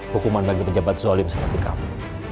hukuman bagi penjabat zolim seperti kamu